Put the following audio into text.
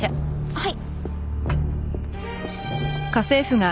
はい！